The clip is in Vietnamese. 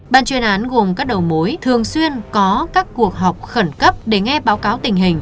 ban chuyên án gồm các đầu mối thường xuyên có các cuộc họp khẩn cấp để nghe báo cáo tình hình